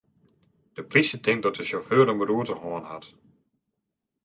De plysje tinkt dat de sjauffeur in beroerte hân hat.